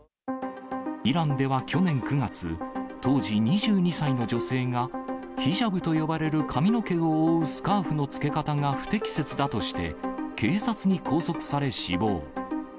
イランでは去年９月、当時２２歳の女性が、ヒジャブと呼ばれる髪の毛を覆うスカーフの着け方が不適切だとして、警察に拘束され死亡。